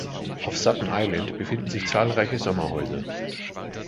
Auf Sutton Island befinden sich zahlreiche Sommerhäuser.